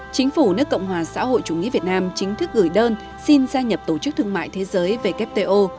chính phủ nước cộng hòa xã hội chủ nghĩa việt nam chính thức gửi đơn xin gia nhập tổ chức thương mại thế giới wto